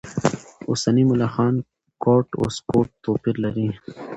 اوسني ملخان کورټ و سکوټ توپیر لري.